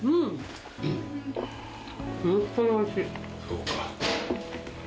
そうか。